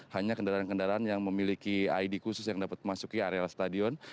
hanya kendaraan kendaraan yang memiliki id khusus yang dapat memasuki area stadion